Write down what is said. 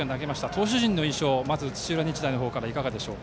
投手陣の印象を土浦日大の方からいかがでしょう。